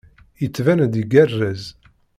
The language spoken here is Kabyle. Yettban-d igerrez.